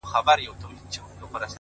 غلطۍ کي مي د خپل حسن بازار مات کړی دی ـ